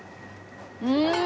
うん！